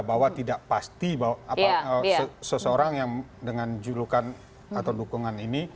bahwa tidak pasti bahwa seseorang yang dengan julukan atau dukungan ini